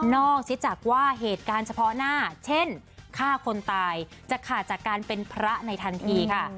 จากว่าเหตุการณ์เฉพาะหน้าเช่นฆ่าคนตายจะขาดจากการเป็นพระในทันทีค่ะ